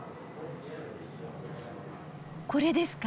これですか。